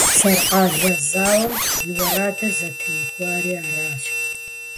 Саркъалэ зауэм и уэрэдыр зытеухуари аращ.